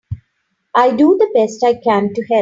I do the best I can to help.